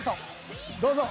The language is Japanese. どうぞ。